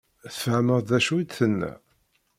Tfehmeḍ d acu i d-tenna?